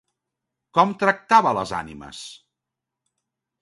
Com tractava a les ànimes?